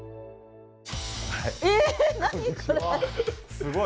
すごい。